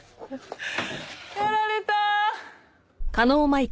やられた。